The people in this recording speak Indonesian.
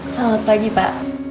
selamat pagi pak